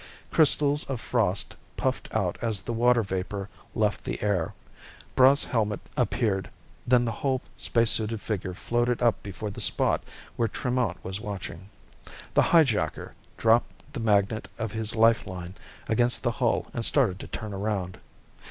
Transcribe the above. Crystals of frost puffed out as the water vapor left the air. Braigh's helmet appeared, then the whole spacesuited figure floated up before the spot where Tremont was watching. The highjacker dropped the magnet of his life line against the hull and started to turn around.